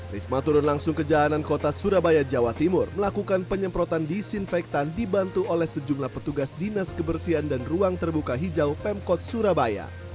risma turun langsung ke jalanan kota surabaya jawa timur melakukan penyemprotan disinfektan dibantu oleh sejumlah petugas dinas kebersihan dan ruang terbuka hijau pemkot surabaya